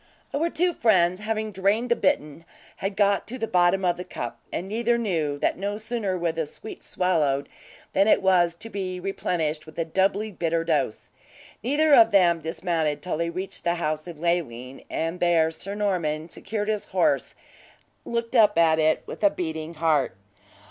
Our two friends having drained the bitten, had got to the bottom of the cup, and neither knew that no sooner were the sweets swallowed, than it was to be replenished with a doubly bitter dose. Neither of them dismounted till they reached the house of Leoline, and there Sir Norman secured his horse, and looked up at it with a beating heart.